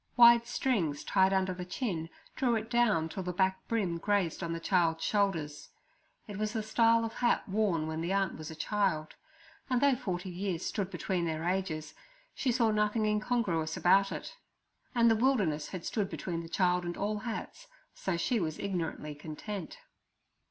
Wide strings tied under the chin drew it down till the back brim grazed on the child's shoulders. It was the style of hat worn when the aunt was a child, and though forty years stood between their ages, she saw nothing incongruous about it; and the wilderness had stood between the child and all hats, so she was ignorantly content.